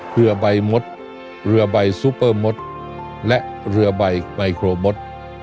เรือใบมดเรือใบซูเปอร์มดและเรือใบไมโครมด